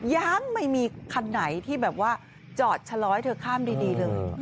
ยังไม่มีคันไหนที่แบบว่าจอดชะลอให้เธอข้ามดีเลย